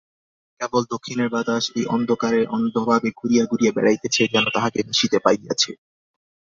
কেবল দক্ষিণের বাতাস এই অন্ধকারে অন্ধভাবে ঘুরিয়া ঘুরিয়া বেড়াইতেছে, যেন তাহাকে নিশিতে পাইয়াছে।